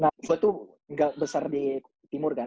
nah gue tuh gak besar di timur kan